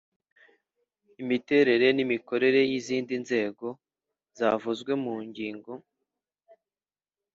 Imiterere n‘imikorere y’izindi nzego zavuzwe mu nging